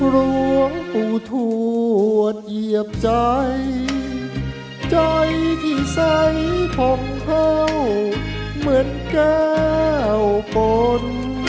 ร่วงผู้ถวดเหยียบใจใจที่ใส่ของเข้าเหมือนแก้วปน